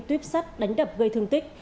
tuyếp sắt đánh đập gây thương tích